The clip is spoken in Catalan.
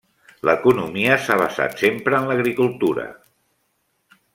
L'economia s'ha basat sempre en l'agricultura.